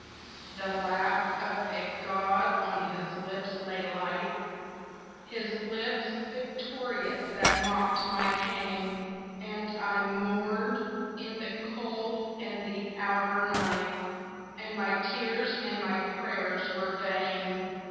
The laugh of a god on his lips lay light His lips victorious that mocked my pain, And I mourned in the cold and the outer night, And my tears and my prayers were vain.